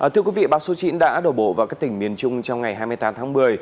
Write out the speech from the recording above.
thưa quý vị bão số chín đã đổ bộ vào các tỉnh miền trung trong ngày hai mươi tám tháng một mươi